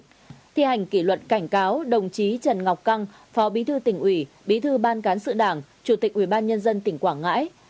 trong thi hành kỷ luật cảnh cáo đồng chí trần ngọc căng phó bí thư tỉnh ủy bí thư ban cán sự đảng chủ tịch ubnd tỉnh quảng ngãi